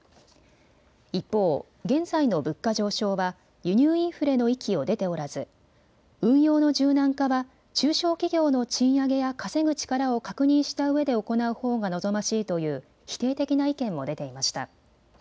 一方、現在の物価上昇は輸入インフレの域を出ておらず運用の柔軟化は中小企業の賃上げや稼ぐ力を確認したうえで行うほうが望ましいという否定的な意見も出ていました。